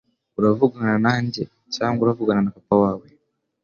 Uravugana nanjye? Cyangwa uravugana na papa wawe